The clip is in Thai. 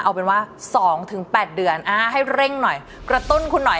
เอาเป็นว่า๒๘เดือนให้เร่งหน่อยกระตุ้นคุณหน่อย